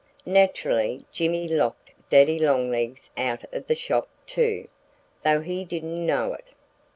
Naturally, Jimmy locked Daddy Longlegs out of the shop, too, though he didn't know it.